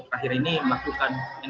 ya terima kasih